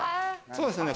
そうですね。